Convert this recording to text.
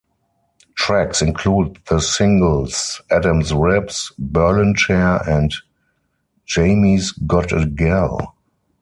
Tracks include the singles "Adam's Ribs", "Berlin Chair" and "Jaimme's Got A Gal".